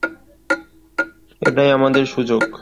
এটাই আমাদের সুযোগ!